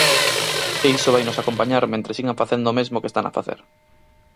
E iso vainos acompañar mentres sigan facendo o mesmo que están a facer.